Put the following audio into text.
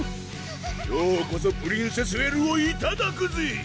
今日こそプリンセス・エルをいただくぜ！